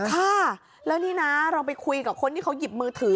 ค่ะแล้วนี่นะเราไปคุยกับคนที่เขาหยิบมือถือ